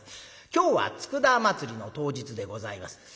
今日は佃祭りの当日でございます。